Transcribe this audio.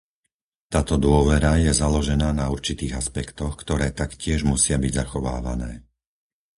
Táto dôvera je založená na určitých aspektoch, ktoré taktiež musia byť zachovávané.